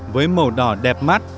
với màu đỏ đẹp mắt